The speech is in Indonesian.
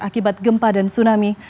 akibat gempa dan tsunami